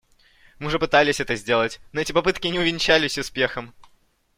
Мы уже пытались это сделать, но эти попытки не увенчались успехом.